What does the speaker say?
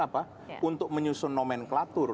apa untuk menyusun nomenklatur